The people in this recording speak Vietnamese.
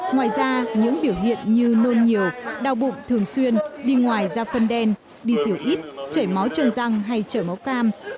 ngoài ra những biểu hiện như nôn nhiều đau bụng thường xuyên đi ngoài da phân đen đi thiểu ít trởi máu trần răng hay trởi máu cam